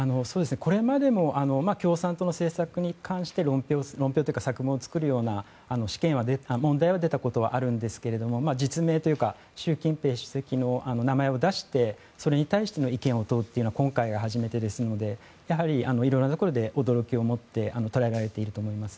これまでも共産党の政策に関して論評というか作文を作るような問題は出たことはあるんですけれども実名というか習近平主席の名前を出してそれに対しての意見を問うのは今回が初めてですのでいろいろなところで驚きをもって捉えられていると思います。